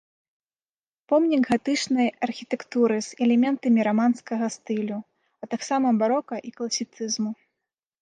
Помнік гатычнай архітэктуры з элементамі раманскага стылю, а таксама барока і класіцызму.